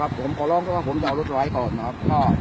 คำโขยกเง้อนี่นะครับผมขอร้องก็ผมจะเอารถไหล่ก่อนนะครับ